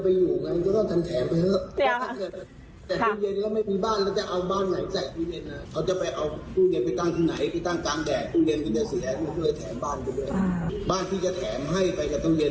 ไปตั้งที่ไหนไปตั้งกลางแดดตู้เย็นก็จะเสียบ้านที่จะแถมให้ไปกับตู้เย็น